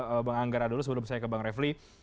saya ke bang anggara dulu sebelum saya ke bang refli